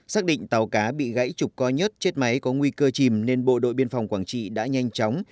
xác định tàu cá bị gãy trục coi nhất chết máy có nguy cơ chìm nên bộ đội biên phòng quảng trị đã nhanh chóng